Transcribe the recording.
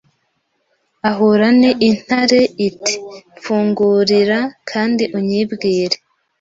ahura n' intare iti: "Mfungurira kandi unyibwire.